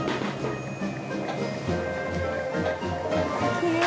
きれい。